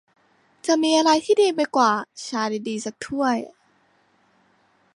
จะมีอะไรที่ดีไปกว่า ชาดี ๆ สักถ้วย ?